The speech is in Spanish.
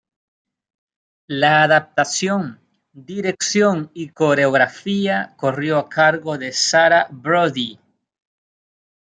La adaptación, dirección y coreografía corrió a cargo de Sara Brodie.